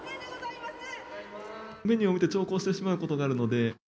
メニューを見て、長考してしまうことがあるので。